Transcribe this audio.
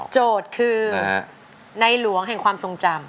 โจทย์คือในหลวงแห่งความทรงจำ